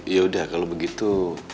ya udah kalau begitu